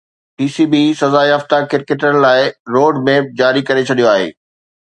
P C B سزا يافته ڪرڪيٽرن لاءِ روڊ ميپ جاري ڪري ڇڏيو آهي